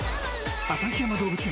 旭山動物園